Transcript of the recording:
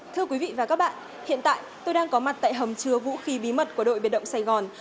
thưa quý vị và các bạn hiện tại tôi đang có mặt tại hầm chứa vũ khí bí mật của đội biệt động sài gòn